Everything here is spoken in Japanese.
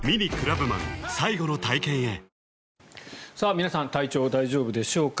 皆さん体調、大丈夫でしょうか。